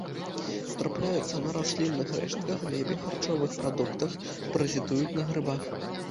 Трапляюцца на раслінных рэштках, глебе, харчовых прадуктах, паразітуюць на грыбах.